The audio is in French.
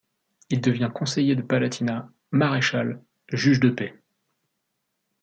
Il devient Conseiller de palatinat, Maréchal, juge de paix.